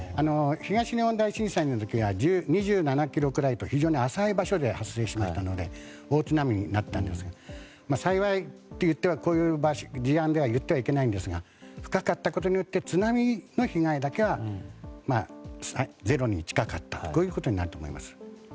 東日本大震災の時は２７ｋｍくらいと非常に浅い場所で発生しましたので大津波になったんですが幸いといってはこういう事案では言ってはいけませんが深かったことによって津波の被害だけはゼロに近かったということになると思います。